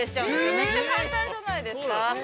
めっちゃ簡単じゃないですか？